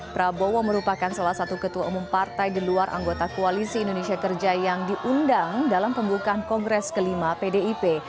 prabowo merupakan salah satu ketua umum partai di luar anggota koalisi indonesia kerja yang diundang dalam pembukaan kongres kelima pdip